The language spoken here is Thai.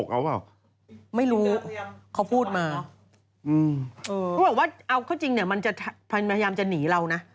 ก็แบบว่าอ่ะก็จริงเนี่ยมันจะบันผนายำจะหนีเรานะ